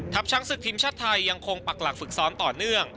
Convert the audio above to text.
ช้างศึกทีมชาติไทยยังคงปักหลักฝึกซ้อมต่อเนื่อง